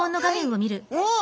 おっ！